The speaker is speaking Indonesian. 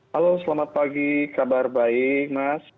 halo selamat pagi kabar baik mas